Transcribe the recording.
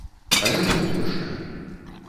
Але і не горшая.